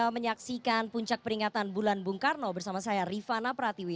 menyaksikan puncak peringatan bulan bung karno bersama saya rifana pratiwi